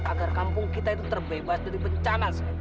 agar kampung kita itu terbebas dari bencana